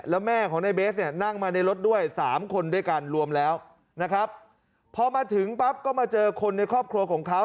แล้วแม่ของในเบสเนี่ยนั่งมาในรถด้วยสามคนด้วยกันรวมแล้วนะครับพอมาถึงปั๊บก็มาเจอคนในครอบครัวของเขา